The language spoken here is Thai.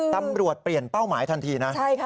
ตำรวจเปลี่ยนเป้าหมายทันทีนะ